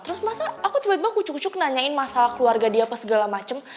terus masa aku tiba tiba kucuk kucuk nanyain masalah keluarga dia apa segala macem